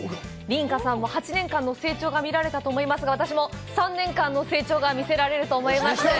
琳加さんも８年間の成長が見られたと思いますが、私も、３年間の成長が見せられると思います。